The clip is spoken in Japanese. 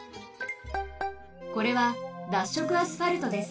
これは脱色アスファルトです。